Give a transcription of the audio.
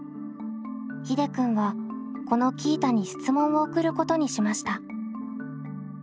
ひでくんはこのＱｉｉｔａに質問を送ることにしました。